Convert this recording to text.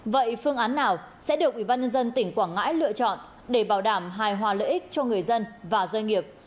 vậy phương án nào sẽ được ủy ban nhân dân tỉnh quảng ngãi lựa chọn để bảo đảm hài hòa lợi ích cho người dân và doanh nghiệp